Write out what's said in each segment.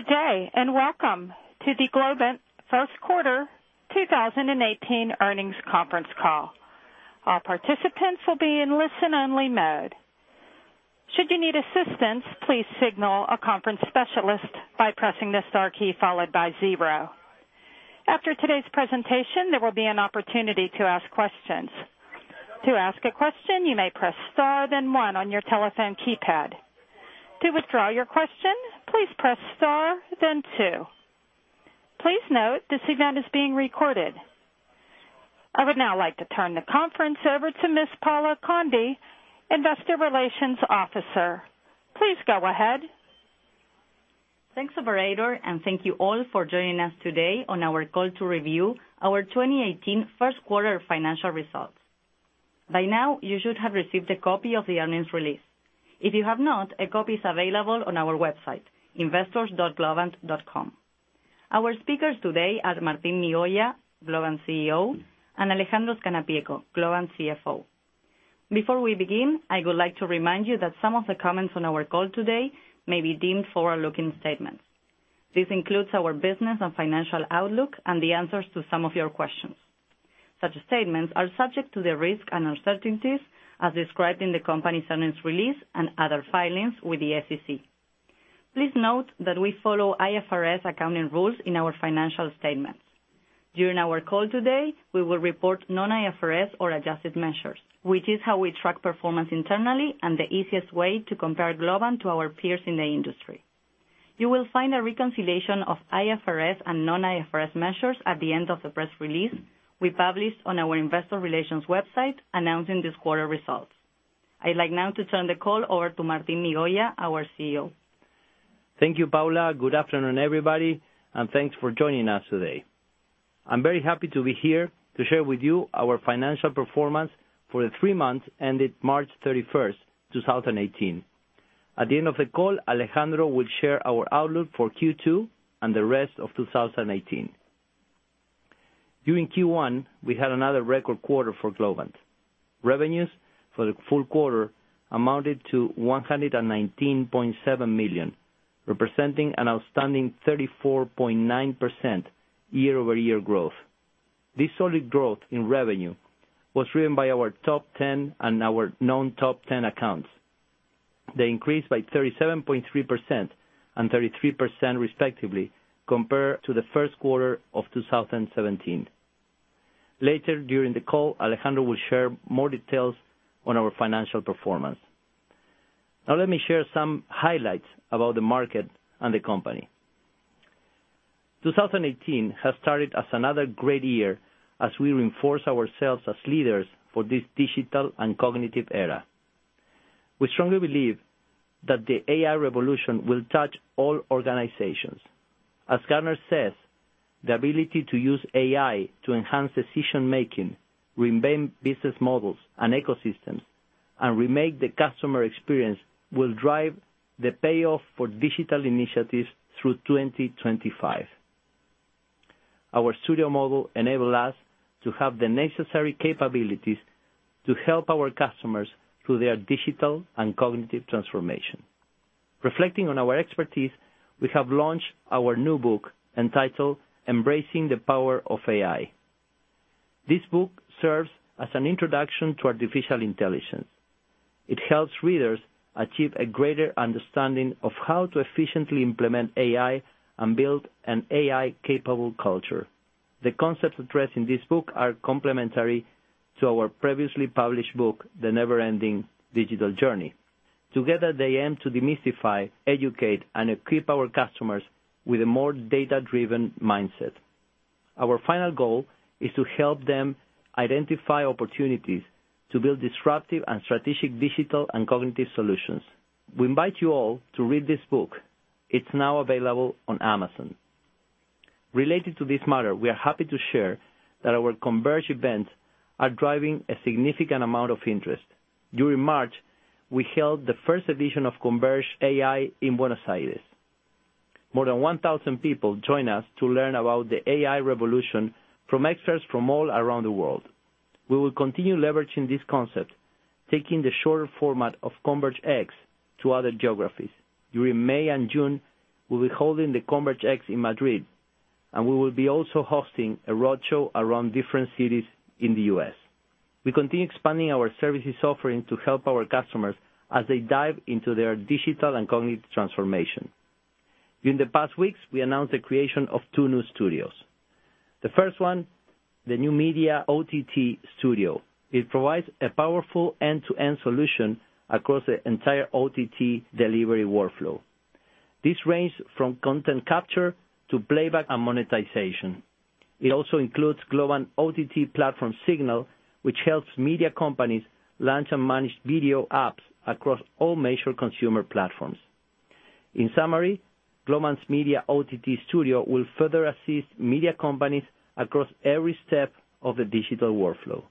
Good day. Welcome to the Globant first quarter 2018 earnings conference call. All participants will be in listen-only mode. Should you need assistance, please signal a conference specialist by pressing the star key followed by zero. After today's presentation, there will be an opportunity to ask questions. To ask a question, you may press star, then one on your telephone keypad. To withdraw your question, please press star, then two. Please note, this event is being recorded. I would now like to turn the conference over to Ms. Paula Conde, Investor Relations Officer. Please go ahead. Thanks, operator. Thank you all for joining us today on our call to review our 2018 first quarter financial results. By now, you should have received a copy of the earnings release. If you have not, a copy is available on our website, investors.globant.com. Our speakers today are Martín Migoya, Globant CEO, and Alejandro Scannapieco, Globant CFO. Before we begin, I would like to remind you that some of the comments on our call today may be deemed forward-looking statements. This includes our business and financial outlook and the answers to some of your questions. Such statements are subject to the risk and uncertainties as described in the company's earnings release and other filings with the SEC. Please note that we follow IFRS accounting rules in our financial statements. During our call today, we will report non-IFRS or adjusted measures, which is how we track performance internally and the easiest way to compare Globant to our peers in the industry. You will find a reconciliation of IFRS and non-IFRS measures at the end of the press release we published on our investor relations website announcing this quarter results. I'd like now to turn the call over to Martín Migoya, our CEO. Thank you, Paula. Good afternoon, everybody. Thanks for joining us today. I'm very happy to be here to share with you our financial performance for the three months ended March 31st, 2018. At the end of the call, Alejandro will share our outlook for Q2 and the rest of 2018. During Q1, we had another record quarter for Globant. Revenues for the full quarter amounted to $119.7 million, representing an outstanding 34.9% year-over-year growth. This solid growth in revenue was driven by our top 10 and our non-top 10 accounts. They increased by 37.3% and 33% respectively, compared to the first quarter of 2017. Later during the call, Alejandro will share more details on our financial performance. Let me share some highlights about the market and the company. 2018 has started as another great year as we reinforce ourselves as leaders for this digital and cognitive era. We strongly believe that the AI revolution will touch all organizations. As Gartner says, "The ability to use AI to enhance decision-making, reinvent business models and ecosystems, and remake the customer experience will drive the payoff for digital initiatives through 2025." Our studio model enable us to have the necessary capabilities to help our customers through their digital and cognitive transformation. Reflecting on our expertise, we have launched our new book entitled "Embracing the Power of AI." This book serves as an introduction to artificial intelligence. It helps readers achieve a greater understanding of how to efficiently implement AI and build an AI-capable culture. The concepts addressed in this book are complementary to our previously published book, "The Never-Ending Digital Journey." Together, they aim to demystify, educate, and equip our customers with a more data-driven mindset. Our final goal is to help them identify opportunities to build disruptive and strategic digital and cognitive solutions. We invite you all to read this book. It's now available on Amazon. Related to this matter, we are happy to share that our Converge events are driving a significant amount of interest. During March, we held the first edition of Converge.AI in Buenos Aires. More than 1,000 people joined us to learn about the AI revolution from experts from all around the world. We will continue leveraging this concept, taking the shorter format of Converge X to other geographies. During May and June, we'll be holding the Converge X in Madrid, and we will be also hosting a roadshow around different cities in the U.S. We continue expanding our services offering to help our customers as they dive into their digital and cognitive transformation. During the past weeks, we announced the creation of two new studios. The first one, the new Media OTT Studio. It provides a powerful end-to-end solution across the entire OTT delivery workflow. This ranges from content capture to playback and monetization. It also includes Globant OTT platform Signal, which helps media companies launch and manage video apps across all major consumer platforms. In summary, Globant's Media OTT Studio will further assist media companies across every step of the digital workflow.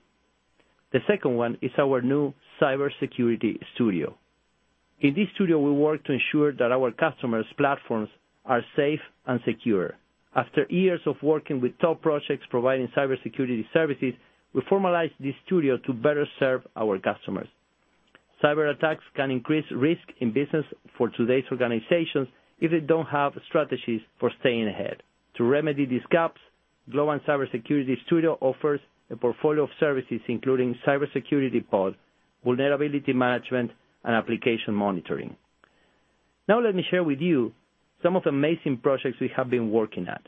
The second one is our new Cybersecurity Studio. In this studio, we work to ensure that our customers' platforms are safe and secure. After years of working with top projects providing cybersecurity services, we formalized this studio to better serve our customers. Cyber attacks can increase risk in business for today's organizations if they don't have strategies for staying ahead. To remedy these gaps, Globant Cybersecurity Studio offers a portfolio of services, including cybersecurity pods, vulnerability management, and application monitoring. Now let me share with you some of the amazing projects we have been working at.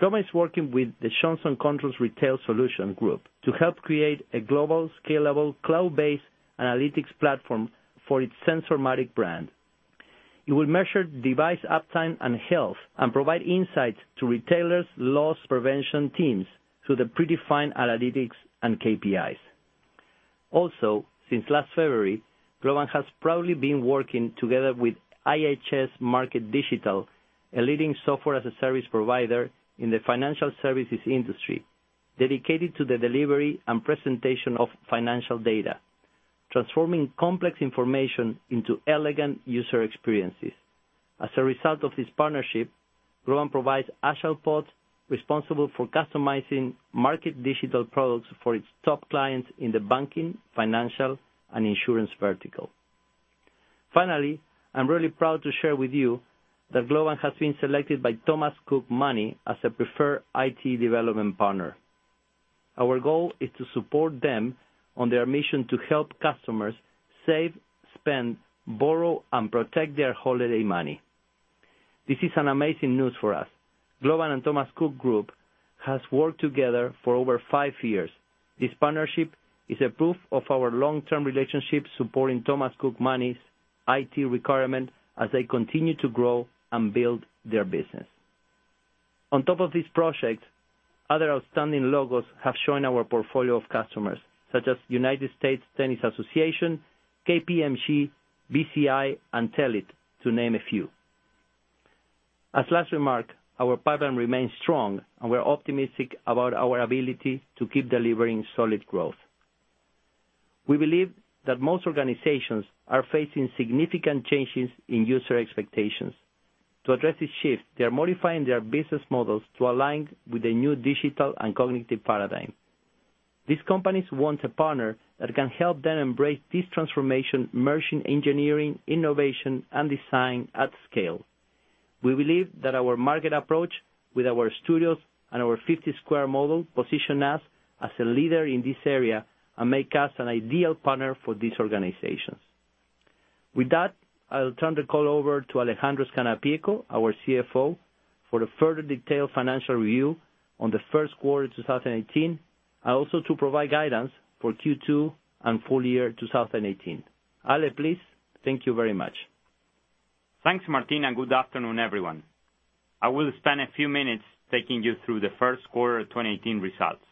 Globant is working with the Johnson Controls Retail Solutions group to help create a global, scalable, cloud-based analytics platform for its Sensormatic brand. It will measure device uptime and health and provide insights to retailers' loss prevention teams through the predefined analytics and KPIs. Also, since last February, Globant has proudly been working together with IHS Markit Digital, a leading software-as-a-service provider in the financial services industry, dedicated to the delivery and presentation of financial data, transforming complex information into elegant user experiences. As a result of this partnership, Globant provides agile pods responsible for customizing Markit Digital products for its top clients in the banking, financial, and insurance vertical. Finally, I'm really proud to share with you that Globant has been selected by Thomas Cook Money as a preferred IT development partner. Our goal is to support them on their mission to help customers save, spend, borrow, and protect their holiday money. This is an amazing news for us. Globant and Thomas Cook Group have worked together for over five years. This partnership is a proof of our long-term relationship supporting Thomas Cook Money's IT requirement as they continue to grow and build their business. On top of this project, other outstanding logos have joined our portfolio of customers, such as United States Tennis Association, KPMG, BCI, and Telit, to name a few. As last remark, our pipeline remains strong, and we're optimistic about our ability to keep delivering solid growth. We believe that most organizations are facing significant changes in user expectations. To address this shift, they are modifying their business models to align with the new digital and cognitive paradigm. These companies want a partner that can help them embrace this transformation, merging engineering, innovation, and design at scale. We believe that our market approach with our studios and our 50 Squared model position us as a leader in this area and make us an ideal partner for these organizations. With that, I'll turn the call over to Alejandro Scannapieco, our CFO, for the further detailed financial review on the first quarter 2018, and also to provide guidance for Q2 and full year 2018. Ale, please. Thank you very much. Thanks, Martín. Good afternoon, everyone. I will spend a few minutes taking you through the first quarter 2018 results.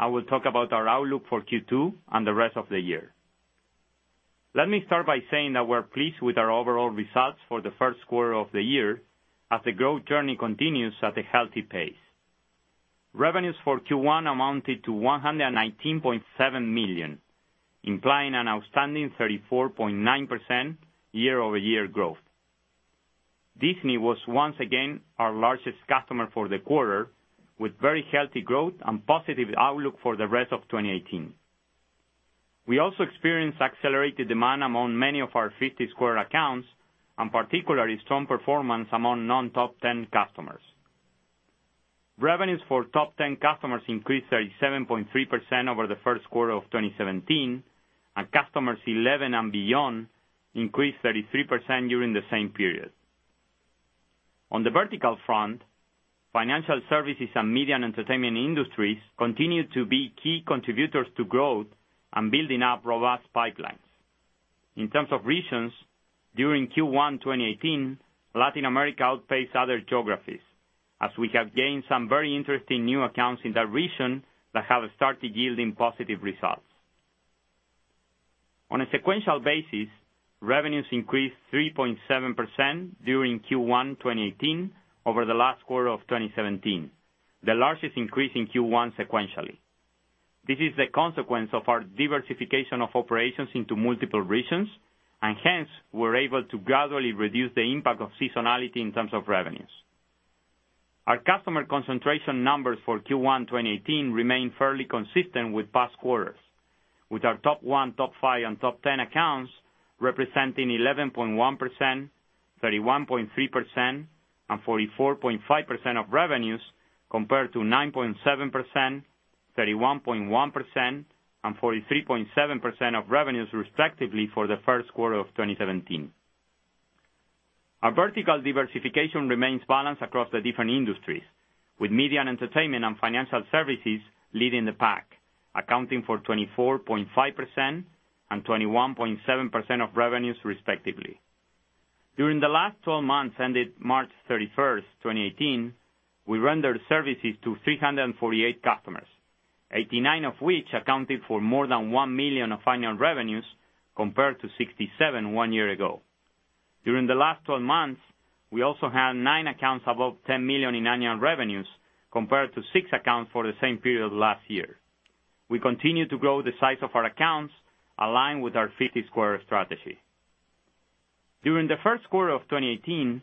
I will talk about our outlook for Q2 and the rest of the year. Let me start by saying that we're pleased with our overall results for the first quarter of the year as the growth journey continues at a healthy pace. Revenues for Q1 amounted to $119.7 million, implying an outstanding 34.9% year-over-year growth. Disney was once again our largest customer for the quarter, with very healthy growth and positive outlook for the rest of 2018. We also experienced accelerated demand among many of our 50 Squared accounts, and particularly strong performance among non-top 10 customers. Revenues for top 10 customers increased 37.3% over the first quarter of 2017, and customers 11 and beyond increased 33% during the same period. On the vertical front, financial services and media and entertainment industries continue to be key contributors to growth and building up robust pipelines. In terms of regions, during Q1 2018, Latin America outpaced other geographies, as we have gained some very interesting new accounts in that region that have started yielding positive results. On a sequential basis, revenues increased 3.7% during Q1 2018 over the last quarter of 2017, the largest increase in Q1 sequentially. This is the consequence of our diversification of operations into multiple regions, and hence, we're able to gradually reduce the impact of seasonality in terms of revenues. Our customer concentration numbers for Q1 2018 remain fairly consistent with past quarters, with our top one, top five, and top 10 accounts representing 11.1%, 31.3%, and 44.5% of revenues, compared to 9.7%, 31.1%, and 43.7% of revenues, respectively, for the first quarter of 2017. Our vertical diversification remains balanced across the different industries, with media and entertainment and financial services leading the pack, accounting for 24.5% and 21.7% of revenues, respectively. During the last 12 months ended March 31st, 2018, we rendered services to 348 customers, 89 of which accounted for more than $1 million of annual revenues, compared to 67 one year ago. During the last 12 months, we also had nine accounts above $10 million in annual revenues, compared to six accounts for the same period last year. We continue to grow the size of our accounts, aligned with our 50 Squared strategy. During the first quarter of 2018,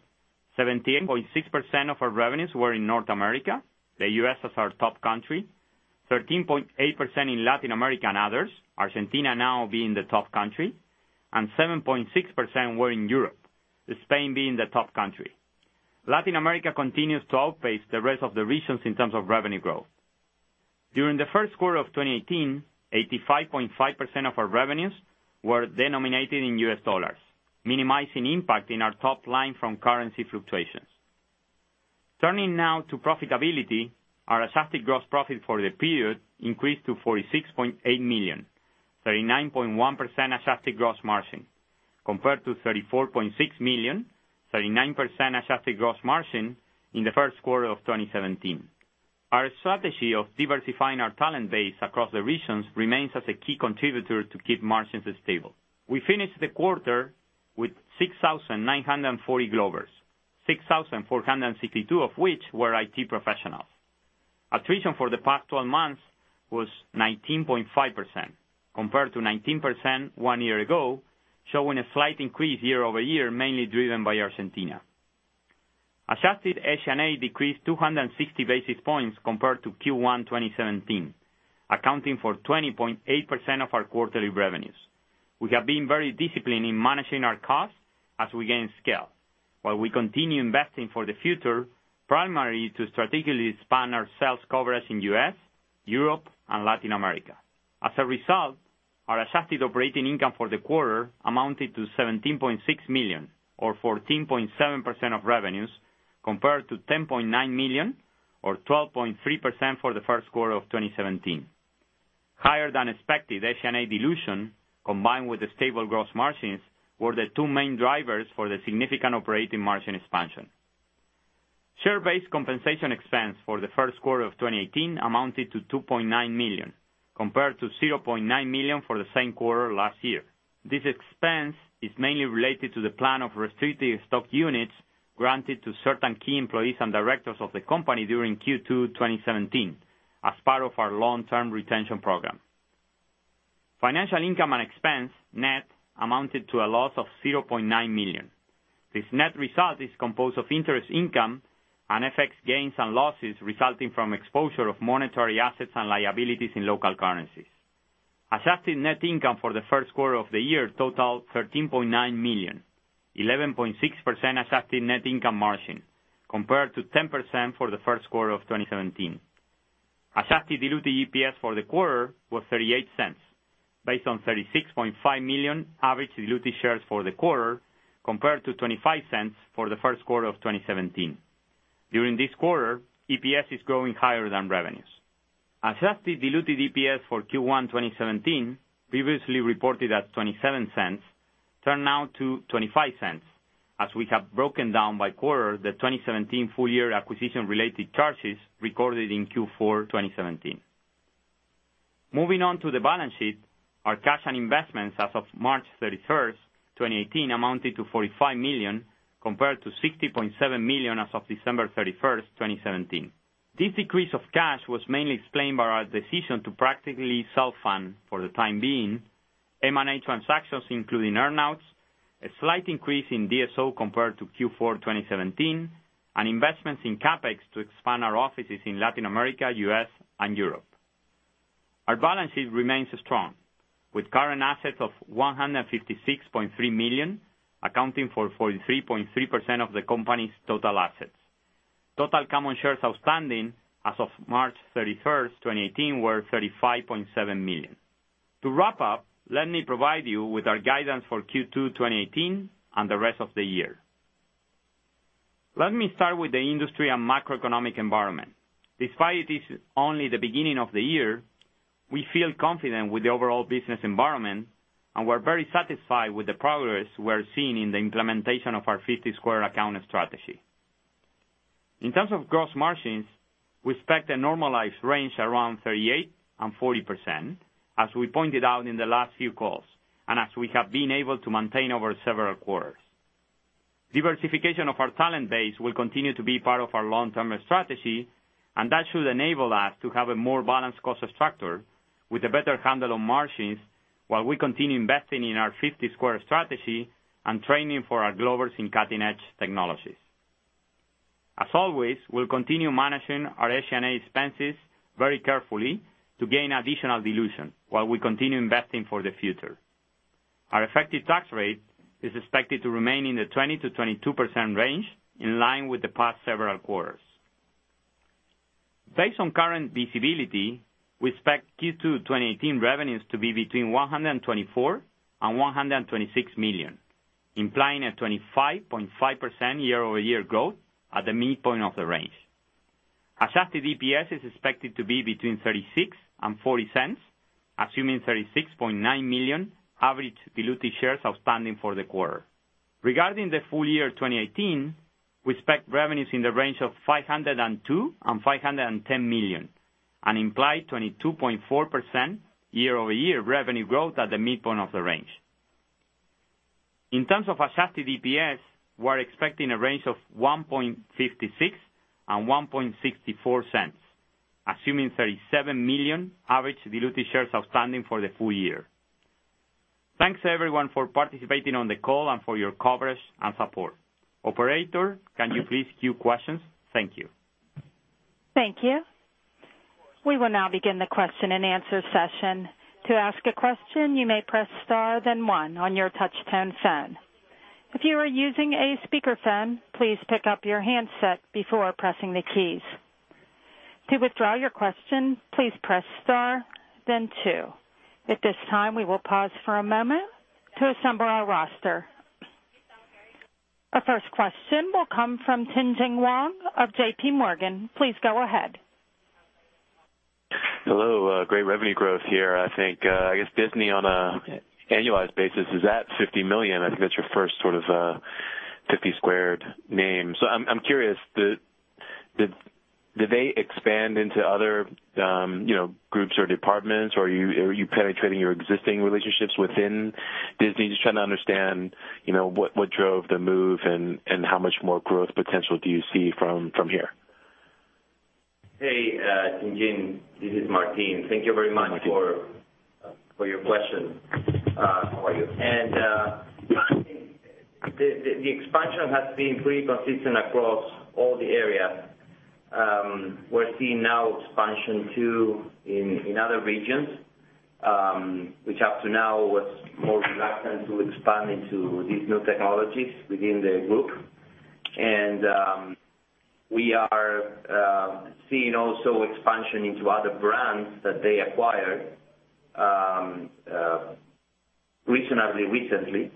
17.6% of our revenues were in North America, the U.S. as our top country, 13.8% in Latin America and others, Argentina now being the top country, and 7.6% were in Europe, Spain being the top country. Latin America continues to outpace the rest of the regions in terms of revenue growth. During the first quarter of 2018, 85.5% of our revenues were denominated in U.S. dollars, minimizing impact in our top line from currency fluctuations. Turning now to profitability, our adjusted gross profit for the period increased to $46.8 million, 39.1% adjusted gross margin, compared to $34.6 million, 39% adjusted gross margin in the first quarter of 2017. Our strategy of diversifying our talent base across the regions remains as a key contributor to keep margins stable. We finished the quarter with 6,940 Globers, 6,462 of which were IT professionals. Attrition for the past 12 months was 19.5%, compared to 19% one year ago, showing a slight increase year-over-year, mainly driven by Argentina. Adjusted SG&A decreased 260 basis points compared to Q1 2017, accounting for 20.8% of our quarterly revenues. We have been very disciplined in managing our costs as we gain scale, while we continue investing for the future, primarily to strategically expand our sales coverage in U.S., Europe, and Latin America. As a result, our adjusted operating income for the quarter amounted to $17.6 million, or 14.7% of revenues, compared to $10.9 million, or 12.3% for the first quarter of 2017. Higher-than-expected SG&A dilution, combined with the stable gross margins, were the two main drivers for the significant operating margin expansion. Share-based compensation expense for the first quarter of 2018 amounted to $2.9 million, compared to $0.9 million for the same quarter last year. This expense is mainly related to the plan of restricted stock units granted to certain key employees and directors of the company during Q2 2017, as part of our long-term retention program. Financial income and expense net amounted to a loss of $0.9 million. This net result is composed of interest income and FX gains and losses resulting from exposure of monetary assets and liabilities in local currencies. Adjusted net income for the first quarter of the year totaled $13.9 million, 11.6% adjusted net income margin, compared to 10% for the first quarter of 2017. Adjusted diluted EPS for the quarter was $0.38, based on 36.5 million average diluted shares for the quarter, compared to $0.25 for the first quarter of 2017. During this quarter, EPS is growing higher than revenues. Adjusted diluted EPS for Q1 2017, previously reported at $0.27, turned now to $0.25, as we have broken down by quarter the 2017 full-year acquisition-related charges recorded in Q4 2017. Moving on to the balance sheet, our cash and investments as of March 31st, 2018 amounted to $45 million, compared to $60.7 million as of December 31st, 2017. This decrease of cash was mainly explained by our decision to practically self-fund, for the time being, M&A transactions, including earn-outs, a slight increase in DSO compared to Q4 2017, and investments in CapEx to expand our offices in Latin America, U.S., and Europe. Our balance sheet remains strong with current assets of $156.3 million, accounting for 43.3% of the company's total assets. Total common shares outstanding as of March 31st, 2018, were 35.7 million. To wrap up, let me provide you with our guidance for Q2 2018 and the rest of the year. Let me start with the industry and macroeconomic environment. Despite it is only the beginning of the year, we feel confident with the overall business environment, and we're very satisfied with the progress we're seeing in the implementation of our 50 Squared account strategy. In terms of gross margins, we expect a normalized range around 38%-40%, as we pointed out in the last few calls, and as we have been able to maintain over several quarters. Diversification of our talent base will continue to be part of our long-term strategy, and that should enable us to have a more balanced cost structure with a better handle on margins while we continue investing in our 50 Squared strategy and training for our Globers in cutting-edge technologies. As always, we'll continue managing our SG&A expenses very carefully to gain additional dilution while we continue investing for the future. Our effective tax rate is expected to remain in the 20%-22% range, in line with the past several quarters. Based on current visibility, we expect Q2 2018 revenues to be between $124 million and $126 million, implying a 25.5% year-over-year growth at the midpoint of the range. Adjusted EPS is expected to be between $0.36 and $0.40, assuming 36.9 million average diluted shares outstanding for the quarter. Regarding the full year 2018, we expect revenues in the range of $502 million and $510 million, an implied 22.4% year-over-year revenue growth at the midpoint of the range. In terms of adjusted EPS, we're expecting a range of $1.56-$1.64. Assuming 37 million average diluted shares outstanding for the full year. Thanks everyone for participating on the call and for your coverage and support. Operator, can you please queue questions? Thank you. Thank you. We will now begin the question and answer session. To ask a question, you may press star then one on your touch-tone phone. If you are using a speakerphone, please pick up your handset before pressing the keys. To withdraw your question, please press star then two. At this time, we will pause for a moment to assemble our roster. Our first question will come from Tien-Tsin Huang of J.P. Morgan. Please go ahead. Hello. Great revenue growth here. I think, I guess Disney on an annualized basis is at $50 million. I think that's your first sort of 50 Squared name. I'm curious, did they expand into other groups or departments, or are you penetrating your existing relationships within Disney? Just trying to understand what drove the move and how much more growth potential do you see from here. Hey, Tien-Tsin. This is Martín. Thank you very much for your question. How are you? I think the expansion has been pretty consistent across all the areas. We're seeing now expansion too, in other regions, which up to now was more reluctant to expand into these new technologies within the group. We are seeing also expansion into other brands that they acquired reasonably recently.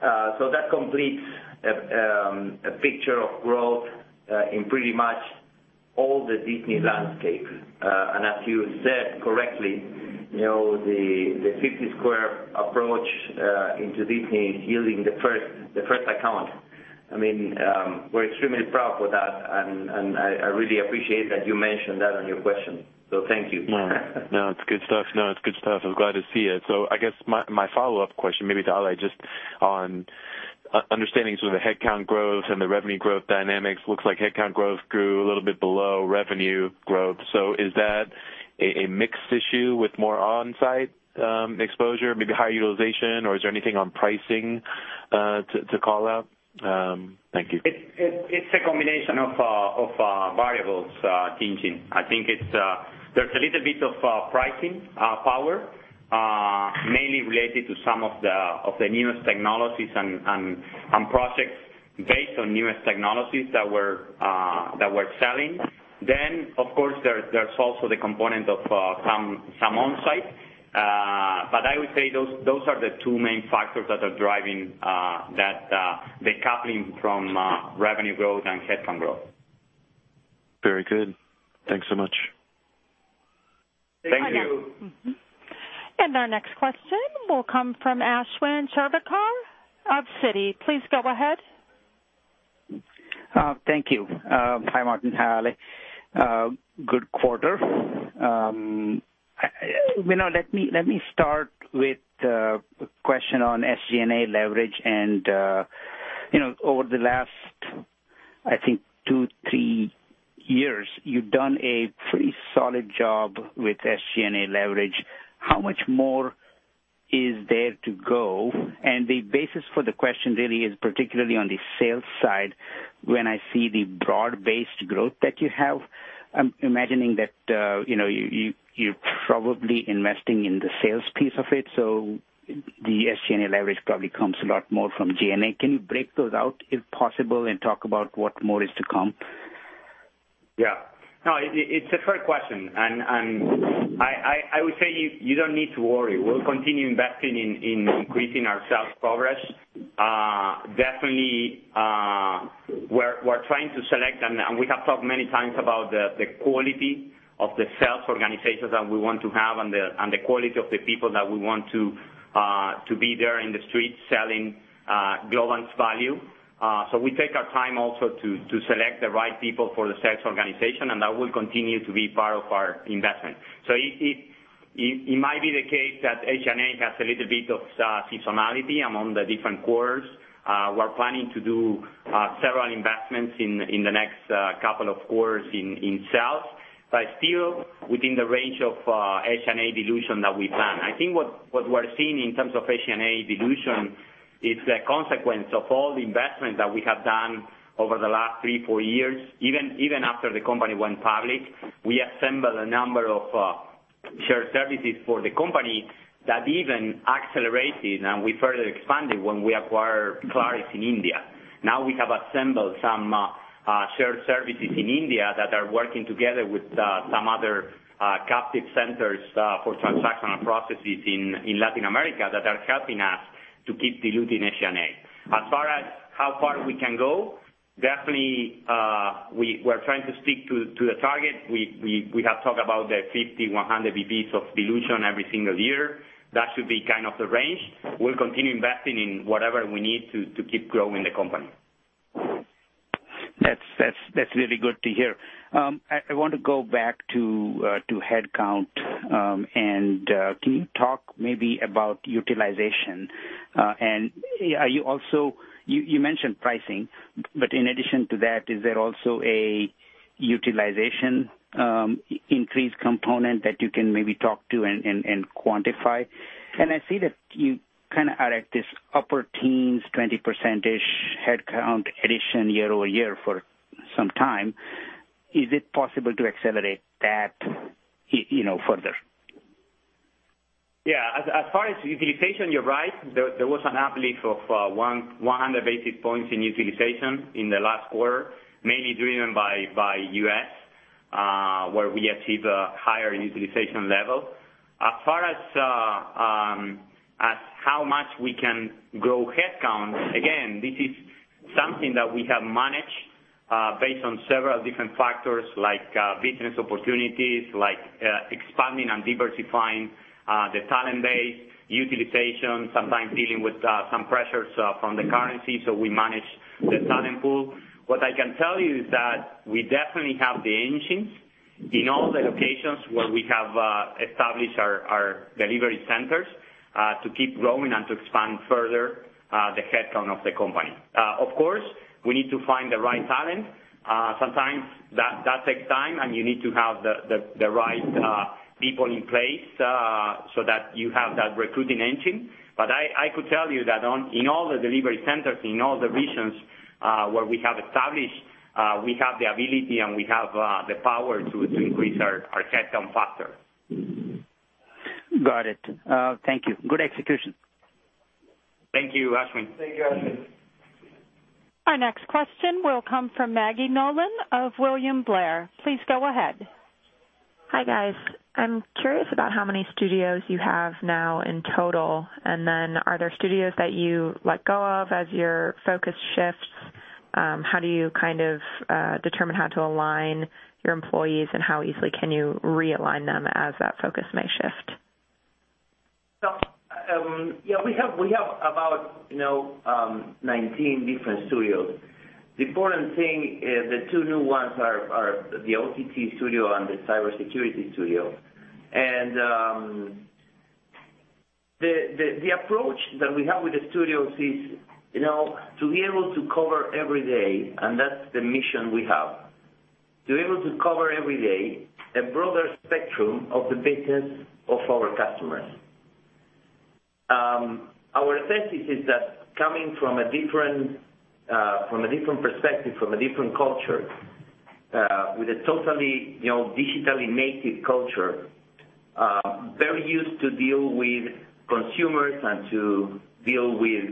That completes a picture of growth in pretty much all the Disney landscape. As you said correctly, the 50 Squared approach into Disney is yielding the first account. We're extremely proud for that, and I really appreciate that you mentioned that on your question, so thank you. No, it's good stuff. I'm glad to see it. I guess my follow-up question, maybe to Ale, just on understanding sort of the headcount growth and the revenue growth dynamics. Looks like headcount growth grew a little bit below revenue growth. Is that a mixed issue with more on-site exposure, maybe higher utilization, or is there anything on pricing to call out? Thank you. It's a combination of variables, Tien-Tsin. I think there's a little bit of pricing power, mainly related to some of the newest technologies and projects based on newest technologies that we're selling. Of course, there's also the component of some on-site. I would say those are the two main factors that are driving decoupling from revenue growth and headcount growth. Very good. Thanks so much. Thank you. Our next question will come from Ashwin Shirvaikar of Citi. Please go ahead. Thank you. Hi, Martín. Hi, Ale. Good quarter. Let me start with a question on SG&A leverage and over the last, I think two, three years, you've done a pretty solid job with SG&A leverage. How much more is there to go? The basis for the question really is particularly on the sales side, when I see the broad-based growth that you have, I'm imagining that you're probably investing in the sales piece of it, so the SG&A leverage probably comes a lot more from G&A. Can you break those out if possible and talk about what more is to come? Yeah. No, it's a fair question. I would say you don't need to worry. We'll continue investing in increasing our sales progress. Definitely, we're trying to select. We have talked many times about the quality of the sales organizations that we want to have and the quality of the people that we want to be there in the street selling Globant's value. We take our time also to select the right people for the sales organization, and that will continue to be part of our investment. It might be the case that SG&A has a little bit of seasonality among the different quarters. We're planning to do several investments in the next couple of quarters in sales, but still within the range of SG&A dilution that we plan. I think what we're seeing in terms of SG&A dilution is a consequence of all the investment that we have done over the last three, four years. Even after the company went public, we assembled a number of shared services for the company that even accelerated, and we further expanded when we acquired Clarice in India. Now we have assembled some shared services in India that are working together with some other captive centers for transactional processes in Latin America that are helping us to keep diluting SG&A. As far as how far we can go, definitely, we're trying to stick to the target. We have talked about the 50, 100 basis points of dilution every single year. That should be kind of the range. We'll continue investing in whatever we need to keep growing the company. That's really good to hear. I want to go back to headcount. Can you talk maybe about utilization? You mentioned pricing, but in addition to that, is there also a utilization increase component that you can maybe talk to and quantify? I see that you are at this upper teens, 20% headcount addition year-over-year for some time. Is it possible to accelerate that further? Yeah. As far as utilization, you're right. There was an uplift of 100 basis points in utilization in the last quarter, mainly driven by U.S. where we achieved a higher utilization level. As far as how much we can grow headcount, again, this is something that we have managed based on several different factors like business opportunities, like expanding and diversifying the talent base, utilization, sometimes dealing with some pressures from the currency. We manage the talent pool. What I can tell you is that we definitely have the engines in all the locations where we have established our delivery centers, to keep growing and to expand further the headcount of the company. Of course, we need to find the right talent. Sometimes that takes time, and you need to have the right people in place so that you have that recruiting engine. I could tell you that in all the delivery centers, in all the regions where we have established, we have the ability and we have the power to increase our headcount faster. Got it. Thank you. Good execution. Thank you, Ashwin. Thank you, Ashwin. Our next question will come from Maggie Nolan of William Blair. Please go ahead. Hi, guys. I'm curious about how many studios you have now in total. Are there studios that you let go of as your focus shifts? How do you determine how to align your employees, and how easily can you realign them as that focus may shift? Yeah, we have about 19 different studios. The important thing is the two new ones are the OTT studio and the Cybersecurity Studio. The approach that we have with the studios is to be able to cover every day, and that's the mission we have. To be able to cover every day a broader spectrum of the business of our customers. Our thesis is that coming from a different perspective, from a different culture, with a totally digitally native culture, very used to deal with consumers and to deal with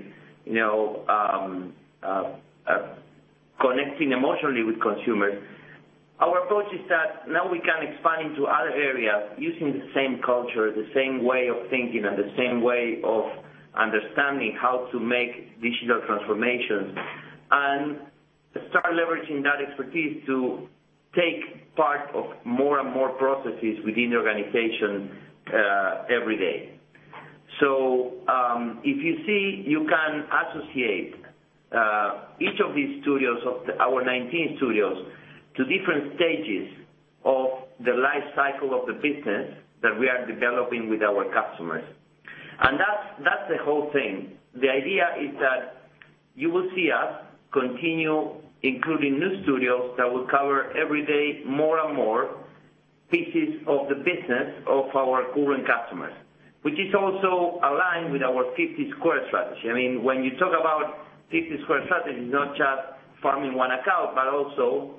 connecting emotionally with consumers. Our approach is that now we can expand into other areas using the same culture, the same way of thinking, and the same way of understanding how to make digital transformations, leveraging that expertise to take part of more and more processes within the organization every day. If you see, you can associate each of these studios, of our 19 studios, to different stages of the life cycle of the business that we are developing with our customers. That's the whole thing. The idea is that you will see us continue including new studios that will cover every day, more and more pieces of the business of our current customers, which is also aligned with our 50 Squared Strategy. When you talk about 50 Squared Strategy, it's not just farming one account, but also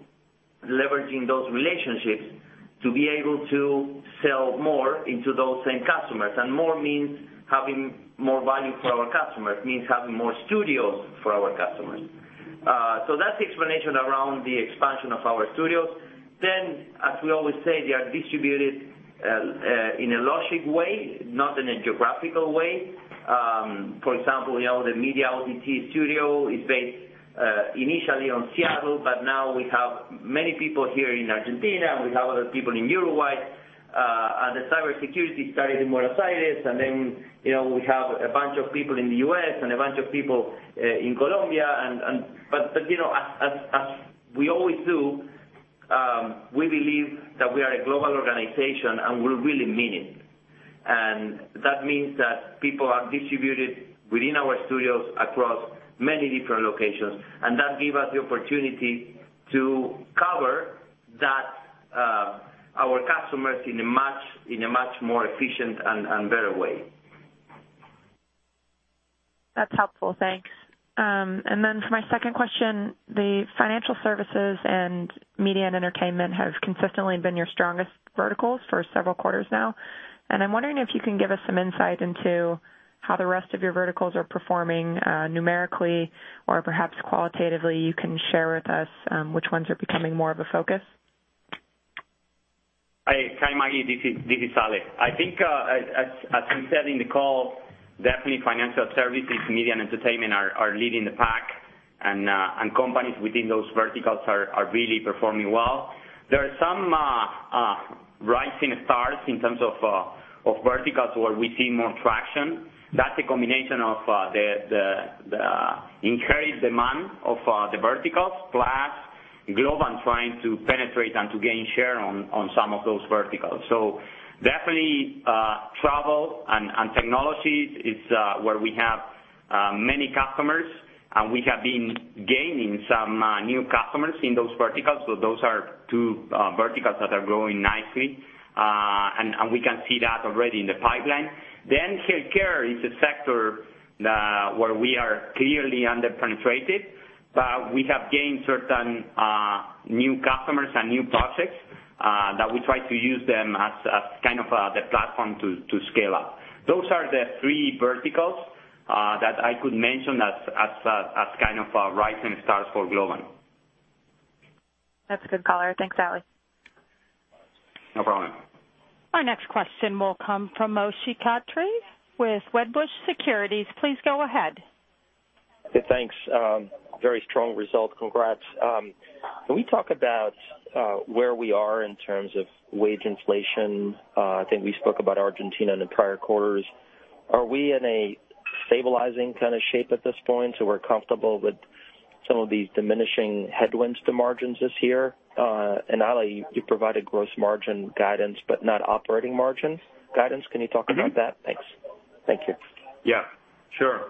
leveraging those relationships to be able to sell more into those same customers. More means having more value for our customers, means having more studios for our customers. That's the explanation around the expansion of our studios. As we always say, they are distributed in a logic way, not in a geographical way. For example, the Media OTT Studio is based initially on Seattle, but now we have many people here in Argentina, and we have other people in Uruguay. The Cybersecurity started in Buenos Aires, then we have a bunch of people in the U.S. and a bunch of people in Colombia. As we always do, we believe that we are a global organization, and we really mean it. That means that people are distributed within our studios across many different locations, and that give us the opportunity to cover our customers in a much more efficient and better way. That's helpful. Thanks. For my second question, the financial services and media and entertainment have consistently been your strongest verticals for several quarters now, and I'm wondering if you can give us some insight into how the rest of your verticals are performing numerically or perhaps qualitatively, you can share with us which ones are becoming more of a focus. Hi, Maggie. This is Ale. I think as we said in the call, definitely financial services, media, and entertainment are leading the pack, and companies within those verticals are really performing well. There are some rising stars in terms of verticals where we see more traction. That's a combination of the increased demand of the verticals, plus Globant trying to penetrate and to gain share on some of those verticals. Definitely, travel and technology is where we have many customers, and we have been gaining some new customers in those verticals. Those are two verticals that are growing nicely, and we can see that already in the pipeline. Healthcare is a sector where we are clearly under-penetrated, but we have gained certain new customers and new projects that we try to use them as kind of the platform to scale up. Those are the three verticals that I could mention as kind of rising stars for Globant. That's a good color. Thanks, Ale. No problem. Our next question will come from Moshe Katri with Wedbush Securities. Please go ahead. Hey, thanks. Very strong result, congrats. Can we talk about where we are in terms of wage inflation? I think we spoke about Argentina in the prior quarters. Are we in a stabilizing kind of shape at this point, so we're comfortable with some of these diminishing headwinds to margins this year? Ale, you provided gross margin guidance, but not operating margins guidance. Can you talk about that? Thanks. Thank you. Yeah. Sure.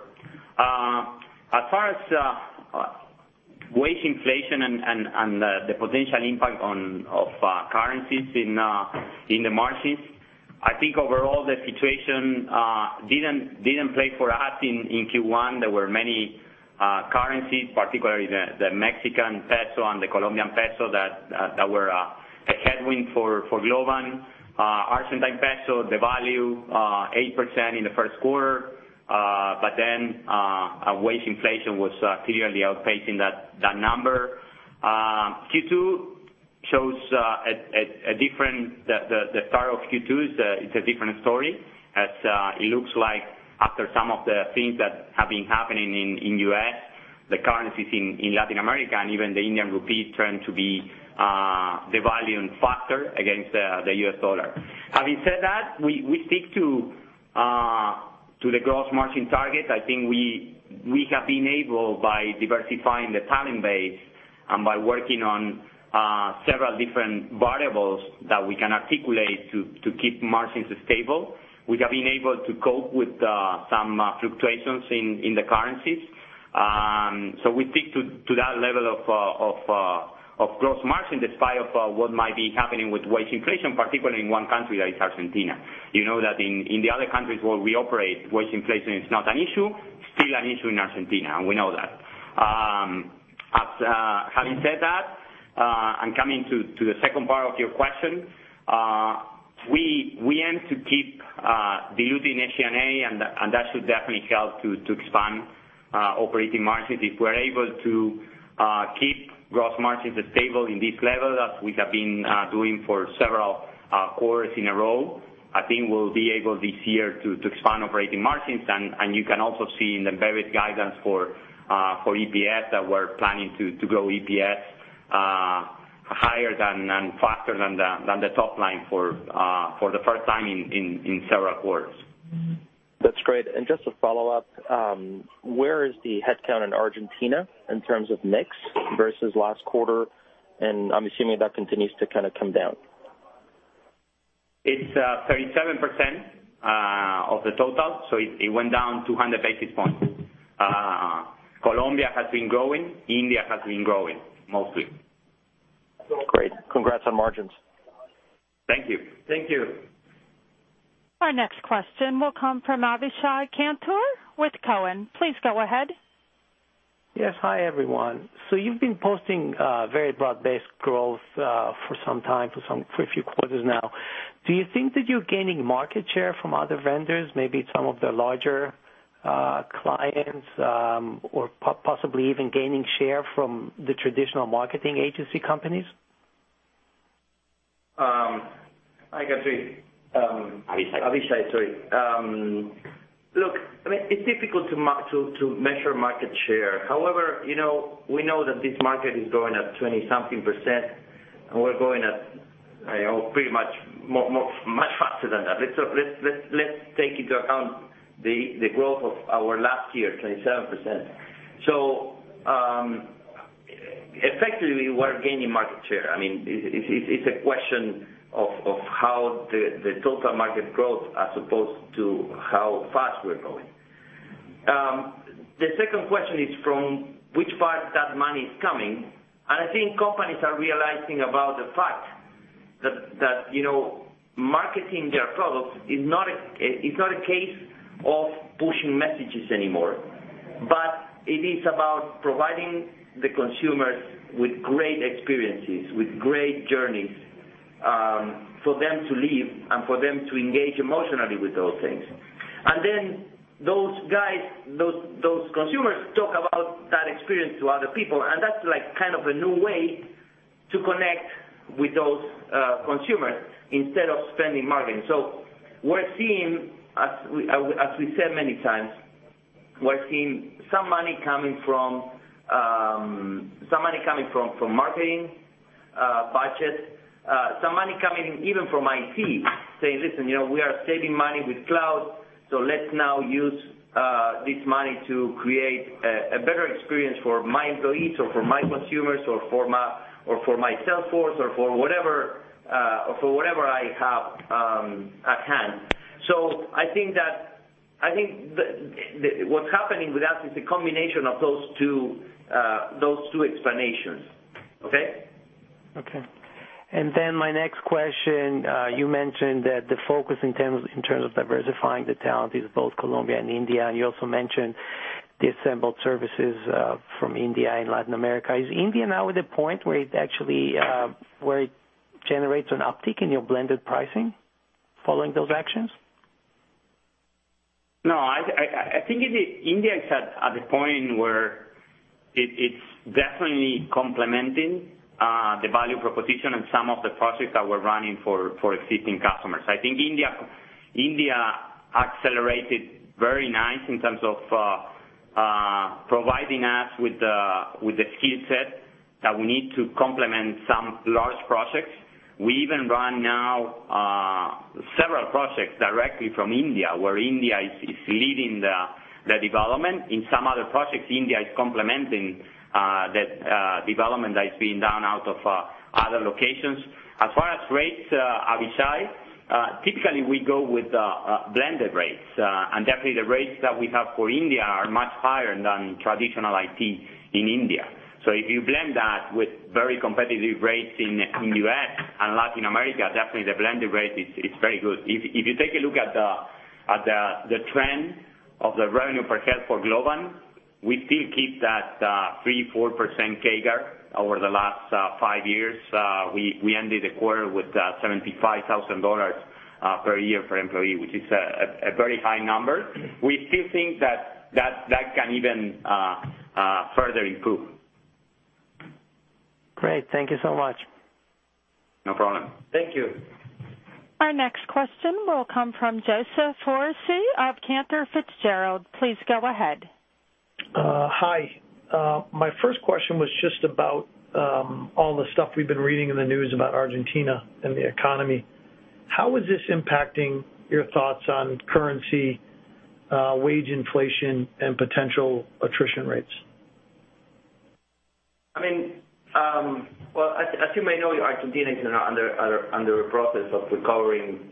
As far as wage inflation and the potential impact of currencies in the margins, I think overall the situation didn't play for us in Q1. There were many currencies, particularly the Mexican peso and the Colombian peso, that were a headwind for Globant. Argentine peso devalued 8% in the first quarter. Wage inflation was clearly outpacing that number. Q2 shows the start of Q2 is a different story as it looks like after some of the things that have been happening in U.S., the currencies in Latin America and even the Indian rupee tend to be devaluing faster against the U.S. dollar. We stick to the gross margin target. I think we have been able by diversifying the talent base and by working on several different variables that we can articulate to keep margins stable. We have been able to cope with some fluctuations in the currencies. We stick to that level of gross margin despite of what might be happening with wage inflation, particularly in one country, that is Argentina. You know that in the other countries where we operate, wage inflation is not an issue. It's still an issue in Argentina, and we know that. Coming to the second part of your question, we aim to keep diluting SG&A and that should definitely help to expand operating margins. If we're able to keep gross margins stable in this level as we have been doing for several quarters in a row, I think we'll be able this year to expand operating margins. You can also see in the various guidance for EPS that we're planning to grow EPS higher and faster than the top line for the first time in several quarters. That's great. Just to follow up, where is the headcount in Argentina in terms of mix versus last quarter? I'm assuming that continues to kind of come down. It's 37% of the total, so it went down 200 basis points. Colombia has been growing, India has been growing mostly. Great. Congrats on margins. Thank you. Our next question will come from Avishai Kantor with Cowen. Please go ahead. Yes. Hi, everyone. You've been posting very broad-based growth for some time, for a few quarters now. Do you think that you're gaining market share from other vendors, maybe some of the larger clients, or possibly even gaining share from the traditional marketing agency companies? Hi, Avishai. Avishai. Avishai, sorry. Look, it's difficult to measure market share. However, we know that this market is growing at twenty something%, and we're growing at pretty much faster than that. Let's take into account the growth of our last year, 27%. Effectively, we're gaining market share. It's a question of how the total market growth as opposed to how fast we're growing. The second question is from which part that money is coming, and I think companies are realizing about the fact that marketing their products it's not a case of pushing messages anymore, but it is about providing the consumers with great experiences, with great journeys, for them to live and for them to engage emotionally with those things. Those guys, those consumers talk about that experience to other people, and that's like kind of a new way to connect with those consumers instead of spending marketing. We're seeing, as we said many times, we're seeing some money coming from marketing budget. Some money coming in, even from IT saying, "Listen, we are saving money with cloud, so let's now use this money to create a better experience for my employees, or for my consumers, or for my sales force, or for whatever I have at hand." I think that what's happening with us is a combination of those two explanations. Okay? Okay. My next question, you mentioned that the focus in terms of diversifying the talent is both Colombia and India, and you also mentioned the assembled services from India and Latin America. Is India now at the point where it generates an uptick in your blended pricing following those actions? No, I think India is at the point where it's definitely complementing the value proposition in some of the projects that we're running for existing customers. I think India accelerated very nice in terms of providing us with the skill set that we need to complement some large projects. We even run now several projects directly from India, where India is leading the development. In some other projects, India is complementing the development that is being done out of other locations. As far as rates, Avishai, typically we go with blended rates. Definitely the rates that we have for India are much higher than traditional IT in India. If you blend that with very competitive rates in U.S. and Latin America, definitely the blended rate is very good. If you take a look at the trend of the revenue per head for Globant, we still keep that 3%-4% CAGR over the last 5 years. We ended the quarter with $75,000 per year per employee, which is a very high number. We still think that can even further improve. Great. Thank you so much. No problem. Thank you. Our next question will come from Joseph Foresi of Cantor Fitzgerald. Please go ahead. Hi. My first question was just about all the stuff we've been reading in the news about Argentina and the economy. How is this impacting your thoughts on currency, wage inflation, and potential attrition rates? Well, as you may know, Argentina is under a process of recovering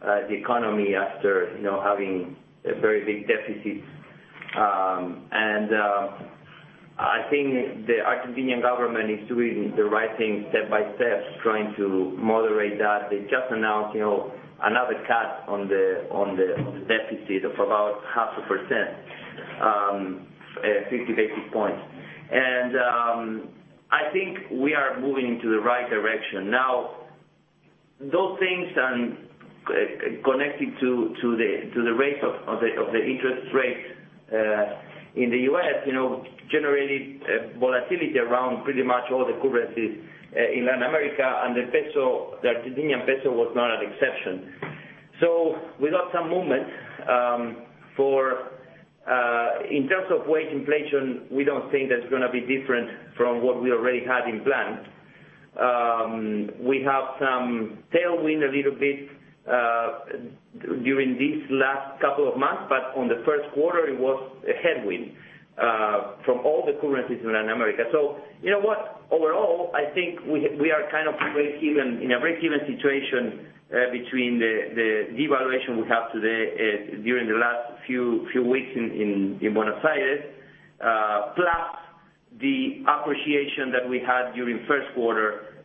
the economy after having a very big deficit. I think the Argentinian government is doing the right thing step by step, trying to moderate that. They just announced another cut on the deficit of about half a percent, 50 basis points. I think we are moving into the right direction. Now, those things, and connecting to the interest rates in the U.S., generated volatility around pretty much all the currencies in Latin America, and the Argentine peso was not an exception. We got some movement. In terms of wage inflation, we don't think that's going to be different from what we already had in plan. We have some tailwind, a little bit, during these last couple of months, but on the first quarter, it was a headwind from all the currencies in Latin America. You know what? Overall, I think we are kind of in a very even situation between the devaluation we have today during the last few weeks in Buenos Aires, plus the appreciation that we had during first quarter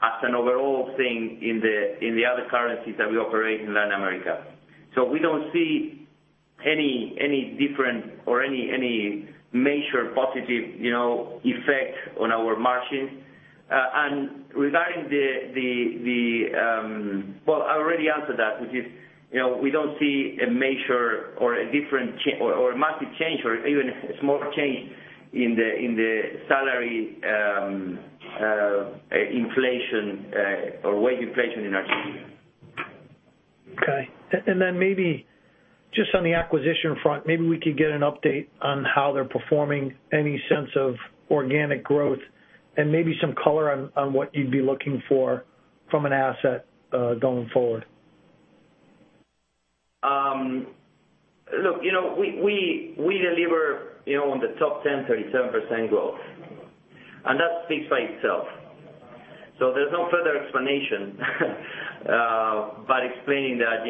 as an overall thing in the other currencies that we operate in Latin America. We don't see any different or any major positive effect on our margins. Regarding, Well, I already answered that, which is, we don't see a major or a massive change, or even a small change in the salary inflation or wage inflation in Argentina. Okay. Maybe just on the acquisition front, maybe we could get an update on how they're performing, any sense of organic growth, and maybe some color on what you'd be looking for from an asset going forward. Look, we deliver on the top 10, 37% growth. That speaks by itself. There's no further explanation but explaining that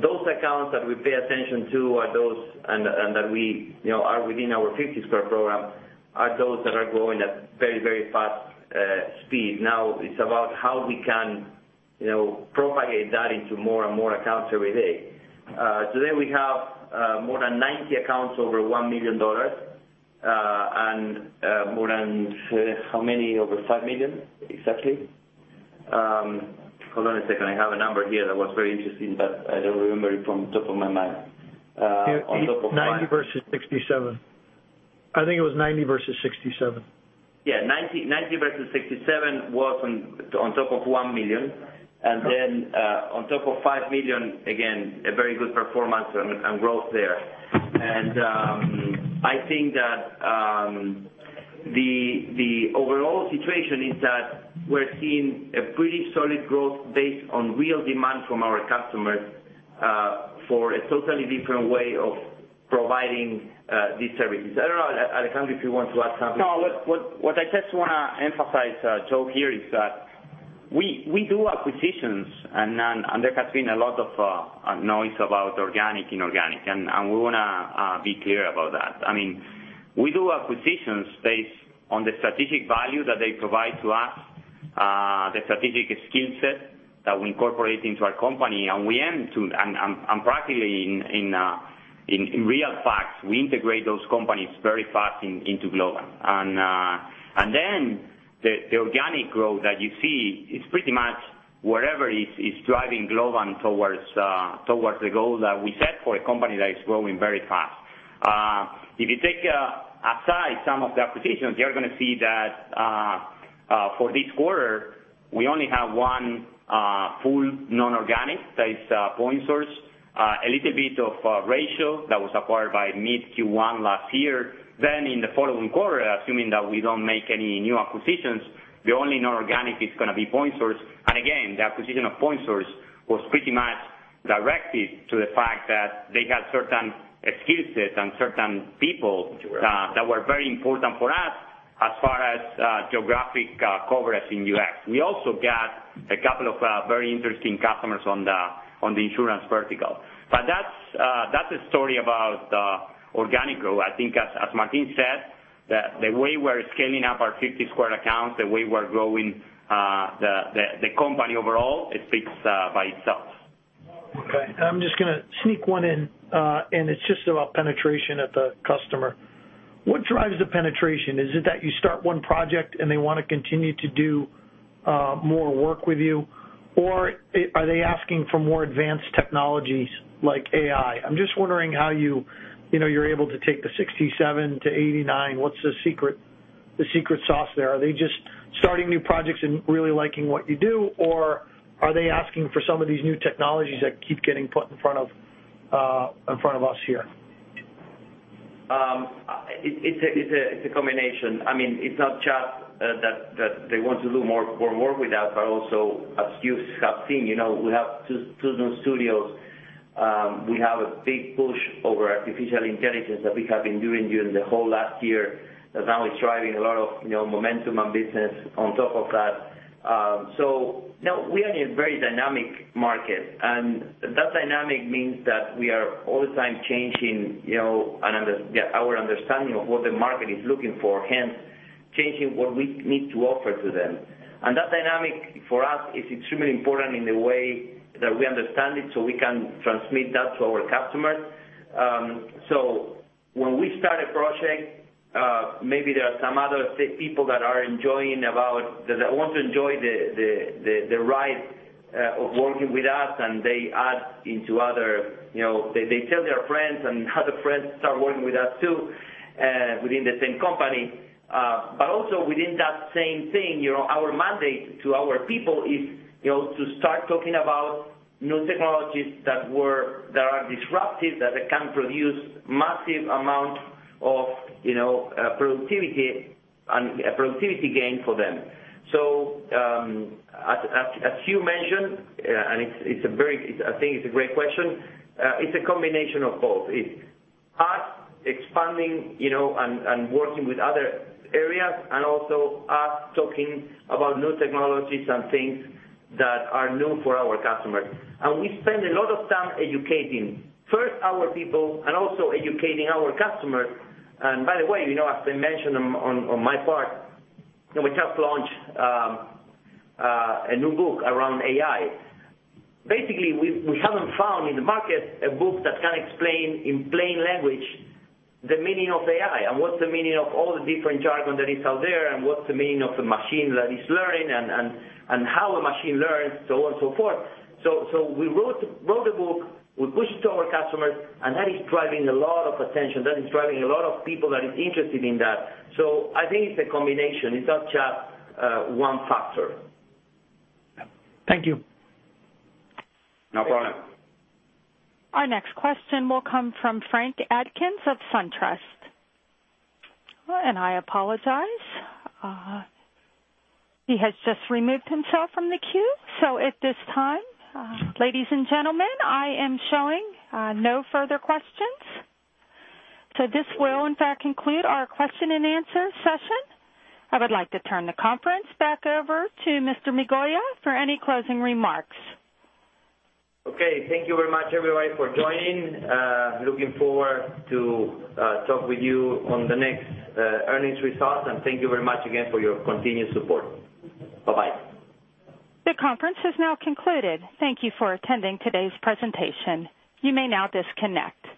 those accounts that we pay attention to and that are within our 50 Squared program are those that are growing at very fast speed. Now it's about how we can propagate that into more and more accounts every day. Today, we have more than 90 accounts over $1 million and more than, how many over $5 million exactly? Hold on a second. I have a number here that was very interesting, but I don't remember it from the top of my mind. 90 versus 67. I think it was 90 versus 67. Yeah. 90 versus 67 was on top of 1 million. Then on top of 5 million, again, a very good performance and growth there. The overall situation is that we're seeing a pretty solid growth based on real demand from our customers for a totally different way of providing these services. I don't know, Alejandro, if you want to add something to that. No, what I just want to emphasize, Joe, here is that we do acquisitions. There has been a lot of noise about organic, inorganic. We want to be clear about that. We do acquisitions based on the strategic value that they provide to us, the strategic skill set that we incorporate into our company. Practically in real facts, we integrate those companies very fast into Globant. Then the organic growth that you see is pretty much wherever is driving Globant towards the goal that we set for a company that is growing very fast. If you take aside some of the acquisitions, you're going to see that for this quarter, we only have one full non-organic, that is PointSource. A little bit of Ratio that was acquired by mid Q1 last year. In the following quarter, assuming that we don't make any new acquisitions, the only non-organic is going to be PointSource. Again, the acquisition of PointSource was pretty much directed to the fact that they had certain skill sets and certain people that were very important for us as far as geographic coverage in the U.S. We also got a couple of very interesting customers on the insurance vertical. That's a story about organic growth. I think as Martín said, the way we're scaling up our 50 Squared accounts, the way we're growing the company overall, it speaks by itself. Okay. I'm just going to sneak one in, and it's just about penetration at the customer. What drives the penetration? Is it that you start one project and they want to continue to do more work with you? Are they asking for more advanced technologies like AI? I'm just wondering how you're able to take the 67 to 89. What's the secret sauce there? Are they just starting new projects and really liking what you do, or are they asking for some of these new technologies that keep getting put in front of us here? It's a combination. It's not just that they want to do more work with us, but also as you have seen, we have two new studios. We have a big push over artificial intelligence that we have been doing during the whole last year, that now is driving a lot of momentum and business on top of that. No, we are in a very dynamic market, and that dynamic means that we are all the time changing our understanding of what the market is looking for, hence changing what we need to offer to them. That dynamic for us is extremely important in the way that we understand it so we can transmit that to our customers. When we start a project, maybe there are some other people that want to enjoy the ride of working with us. They tell their friends and other friends start working with us too within the same company. Also within that same thing, our mandate to our people is to start talking about new technologies that are disruptive, that they can produce massive amount of productivity gain for them. As you mentioned, and I think it's a great question, it's a combination of both. It's us expanding and working with other areas and also us talking about new technologies and things that are new for our customers. We spend a lot of time educating, first our people, and also educating our customers. And by the way, as they mentioned on my part, we just launched a new book around AI. Basically, we haven't found in the market a book that can explain in plain language the meaning of AI, what is the meaning of all the different jargon that is out there, what is the meaning of the machine that is learning and how a machine learns, so on and so forth. We wrote a book, we pushed to our customers, that is driving a lot of attention. That is driving a lot of people that is interested in that. I think it is a combination. It is not just one factor. Thank you. No problem. Our next question will come from Frank Atkins of SunTrust. I apologize. He has just removed himself from the queue. At this time, ladies and gentlemen, I am showing no further questions. This will in fact conclude our question and answer session. I would like to turn the conference back over to Mr. Migoya for any closing remarks. Okay. Thank you very much, everybody, for joining. Looking forward to talk with you on the next earnings results. Thank you very much again for your continued support. Bye-bye. The conference has now concluded. Thank you for attending today's presentation. You may now disconnect.